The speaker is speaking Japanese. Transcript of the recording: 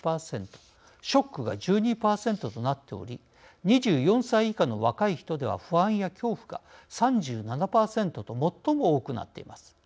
ショックが１２％となっており２４歳以下の若い人では不安や恐怖が３７％と最も多くなっています。